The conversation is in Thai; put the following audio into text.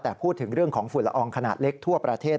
แต่พูดถึงเรื่องของฝุ่นละอองขนาดเล็กทั่วประเทศ